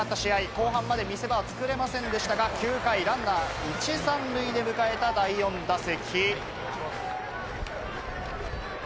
後半まで見せ場をつくれませんでしたが、９回、ランナー１・３塁で迎えた第４打席。